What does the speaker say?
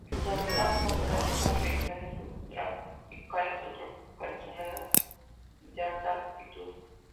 Sus hábitats naturales son las regiones subtropicales o tropicales húmedas de alta altitud.